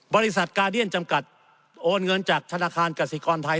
บริษัทกาเดียนจำกัดโอนเงินจากธนาคารกสิกรไทย